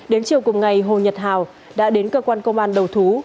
đến chiều cùng ngày hồ nhật hào đã đến cơ quan công an đầu thú